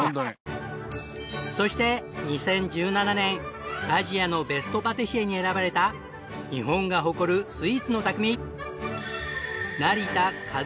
そして２０１７年アジアのベストパティシエに選ばれた日本が誇るスイーツの匠。